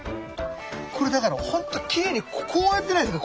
これだからほんときれいにこうやってないですか？